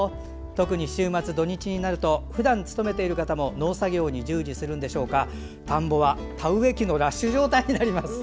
特に週末、土日になるとふだん勤めている方も農作業に従事するんでしょうが田んぼは田植え機のラッシュ状態にあります。